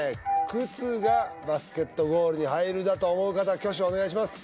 靴がバスケットゴールに入るだと思う方挙手お願いします